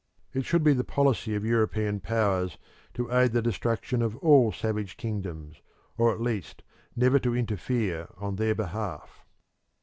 It should be the policy of European Powers to aid the destruction of all savage kingdoms, or at least never to interfere on their behalf.